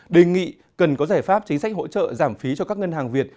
đề nghị cần có giải pháp chính sách hỗ trợ giảm phí cho các ngân hàng việt